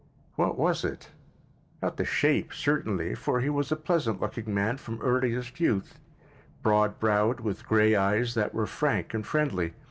What was it? Not the shape, certainly, for he was a pleasant looking man from earliest youth: broad bowed with gray eyes that were frank and friendly.